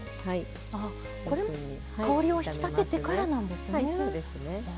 これも香りを引き立ててからなんですね。